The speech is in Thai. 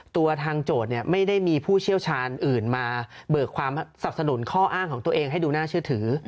ตัวทางโจทย์ไม่ได้มีผู้เชี่ยวชาญอื่นมาเบิกความสับสนุนข้ออ้างของตัวเองให้ดูน่าเชื่อถือ